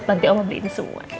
nanti oma beliin semua ya